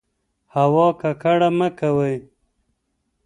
هوا ککړه مه کوئ.